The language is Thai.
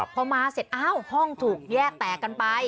พอมาเสร็จอ้าวห้องถูกแยกแตกกันไป